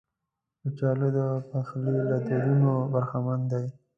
کچالو د پخلي له دودونو برخمن دي